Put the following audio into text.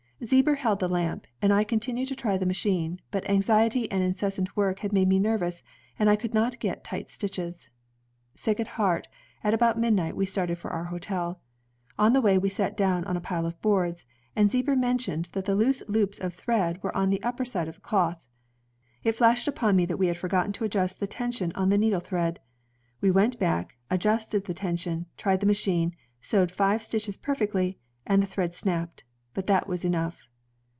"Zieber held the lamp, and I con tinued to try the machine, but anxi ety and incessant work had made me nervous, and I could not get tight stitches. Sick . at heart, at about mid night we started for our hotel. On the way, we sat down on a pile of boards, and Zieber men tioned that the loose loops of thread were on the upper side of the cloth. It flashed upon me that we had forgotten to adjust the tension on the needle thread. We went back, adjusted the tension, tried the machine, sewed five stitches per fectly, and the thread snapped. But that was enough."